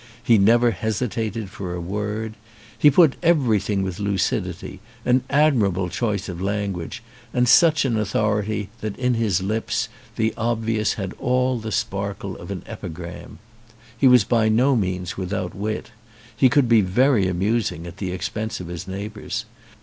He never hesitated for a word. He put everything wdth lucidity, an admirable choice of language, and such an authority that in his lips the obvious had all the sparkle of an epigram. He was by no means without wit. He could be very amusing at the expense of his neighbours.